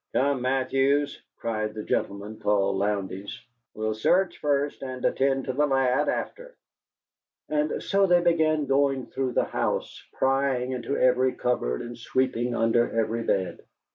"Come, Mathews," cried the gentleman called Lowndes. "We'll search first, and attend to the lad after." And so they began going through the house, prying into every cupboard and sweeping under every bed.